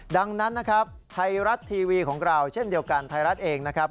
ดังนั้นนะครับไทยรัฐทีวีของเราเช่นเดียวกันไทยรัฐเองนะครับ